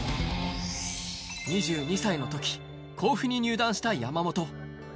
２２歳のとき、甲府に入団した山本。